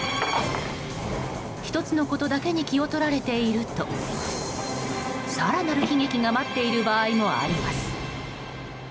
１つのことだけに気を取られていると更なる悲劇が待っている場合もあります。